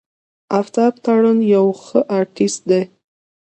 آفتاب تارڼ يو ښه آرټسټ دی.